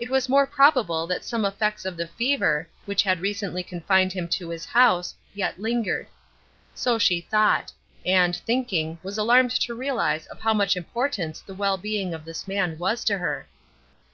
It was more probable that some effects of the fever, which had recently confined him to his house, yet lingered. So she thought; and, thinking, was alarmed to realize of how much importance the well being of this man was to her.